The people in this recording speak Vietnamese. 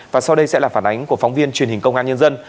và sau đây sẽ là phản ánh của phóng viên truyền hình công an nhân dân